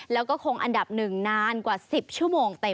แล้วก็คงอันดับหนึ่งนานกว่า๑๐ชั่วโมงได้